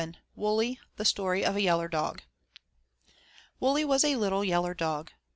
WULLY, The Story of a Yaller Dog WULLY WAS a little yaller dog.